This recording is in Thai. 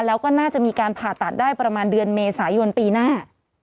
แล้วก็น่าจะมีการผ่าตัดได้ประมาณเดือนเมษายนปีหน้า